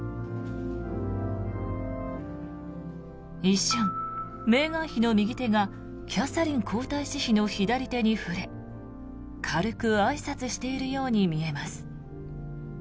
一瞬、メーガン妃の右手がキャサリン皇太子妃の左手に触れ軽くあいさつしているように見えます。